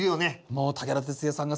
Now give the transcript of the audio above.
もう武田鉄矢さんがさ。